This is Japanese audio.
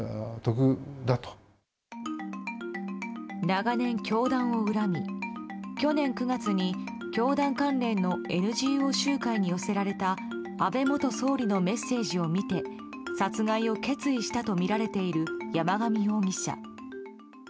長年、教団を恨み去年９月に教団関連のＮＧＯ集会に寄せられた安倍元総理のメッセージを見て殺害を決意したとみられている山上容疑者。